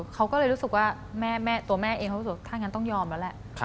เขาก็เลยรู้สึกว่าตัวแม่เองเขารู้สึกว่าถ้างั้นต้องยอมแล้วแหละ